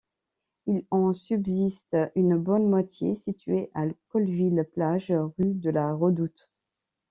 Il en subsiste une bonne moitié, située à Colleville-Plage, rue de la Redoute.